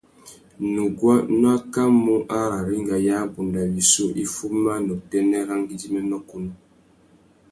Nuguá nu akamú ararringa ya abunda wissú i fuma nà utênê râ ngüidjiménô kunú.